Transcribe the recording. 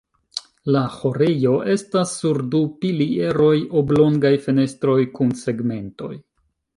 La ĥorejo estas sur du pilieroj, oblongaj fenestroj kun segmentoj.